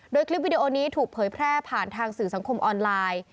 โดยคลิปวิดีโอนี้ถูกเผยแพร่ผ่านทางสื่อสังคมออนไลน์